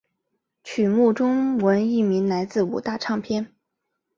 曲目中文译名来自五大唱片。